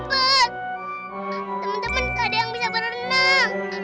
teman teman kada yang bisa berenang